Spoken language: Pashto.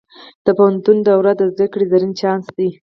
د پوهنتون دوره د زده کړې زرین چانس دی.